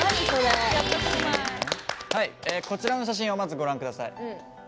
こちらの写真をご覧ください。